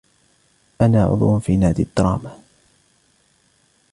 أنا عضو في نادي الدراما.